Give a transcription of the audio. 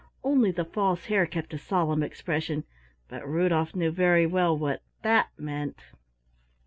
Only the False Hare kept a solemn expression, but Rudolf knew very well what that meant.